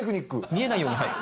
見えないようにはい。